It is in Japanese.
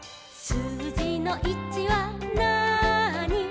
「すうじの１はなーに」